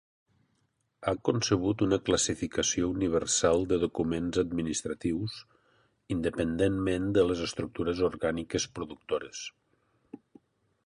Ha concebut una classificació universal de documents administratius, independentment de les estructures orgàniques productores.